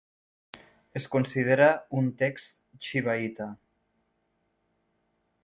Es considera un text xivaïta.